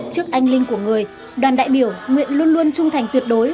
trước anh linh của người đoàn đại biểu nguyện luôn luôn trung thành tuyệt đối